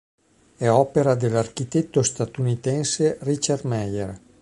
È opera dell'architetto statunitense Richard Meier.